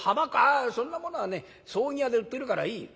「あそんなものはね葬儀屋で売ってるからいい」。